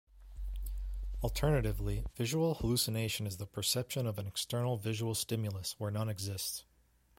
Alternatively visual hallucination is the perception of an external visual stimulus where none exists.